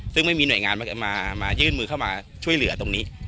ซึ่งไม่มีหน่วยงานมายื่นมือเข้ามาช่วยเหลือตรงนี้